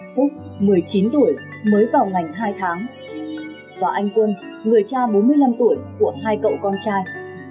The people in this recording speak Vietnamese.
phúc một mươi chín tuổi mới vào ngành hai tháng và anh quân người cha bốn mươi năm tuổi của hai cậu con trai